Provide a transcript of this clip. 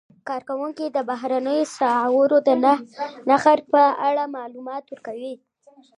کارکوونکي د بهرنیو اسعارو د نرخ په اړه معلومات ورکوي.